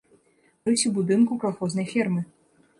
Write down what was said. Рысь у будынку калхознай фермы.